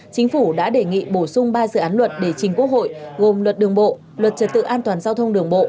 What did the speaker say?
chính phủ đã đề nghị bổ sung ba dự án luật để trình quốc hội gồm luật đường bộ luật trật tự an toàn giao thông đường bộ